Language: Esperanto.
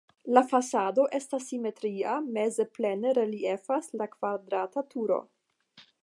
La fasado estas simetria, meze plene reliefas la kvadrata turo.